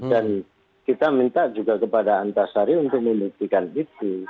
dan kita minta juga kepada antarsari untuk membuktikan itu